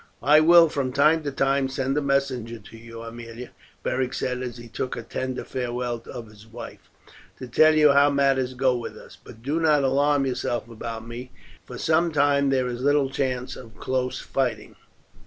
"I will from time to time send a messenger to you, Aemilia," Beric said as he took a tender farewell of his wife, "to tell you how matters go with us; but do not alarm yourself about me, for some time there is little chance of close fighting."